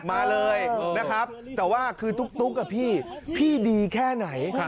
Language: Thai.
มาเลยนะครับแต่ว่าคือตุ๊กพี่ดีแค่ไหน